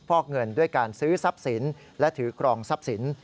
อกเงินด้วยการซื้อทรัพย์สินและถือครองทรัพย์สิน